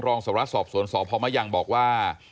รองสวรรค์สอบสวนพ่อมะยังบอกว่า